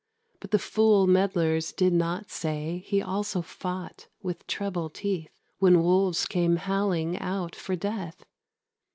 But the fool meddlers did not say He also fought with treble teeth, When wolves came howling out for death.